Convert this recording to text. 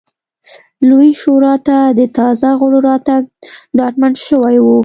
لویې شورا ته د تازه غړو راتګ ډاډمن شوی و.